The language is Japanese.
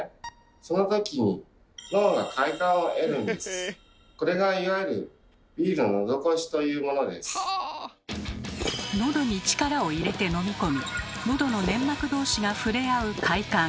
その時にこれがいわゆるのどに力を入れて飲み込みのどの粘膜同士が触れ合う快感。